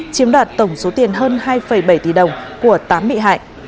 chiếm đoạt tổng số tiền hơn hai bảy tỷ đồng của tám bị hại